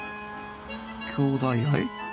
兄弟愛？